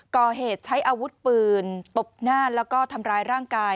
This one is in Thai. ก่อเหตุใช้อาวุธปืนตบหน้าแล้วก็ทำร้ายร่างกาย